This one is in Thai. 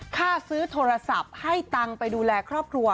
ค่าซื้อโทรศัพท์ให้ตังค์ไปดูแลครอบครัว